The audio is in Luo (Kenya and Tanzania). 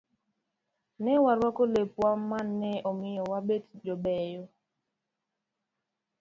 Ne warwako lepwa ma ne omiyo wabet jobeyo